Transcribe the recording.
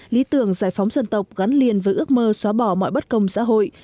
lý tưởng giải phóng dân tộc gắn liền với ước mơ xóa bỏ mọi bất công xã hội